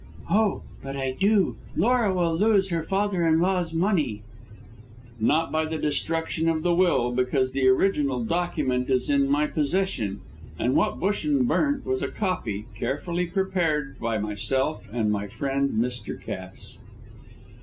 "Oh, but I do. Laura will lose her father in law's money." "Not by the destruction of the will, because the original document is in my possession, and what Busham burnt was a copy carefully prepared by myself and my friend Mr. Cass."